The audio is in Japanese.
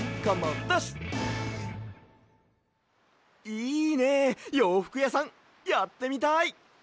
いいねようふくやさんやってみたい！